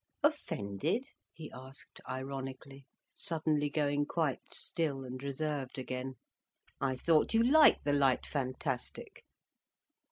"Offended—?" he asked ironically, suddenly going quite still and reserved again. "I thought you liked the light fantastic."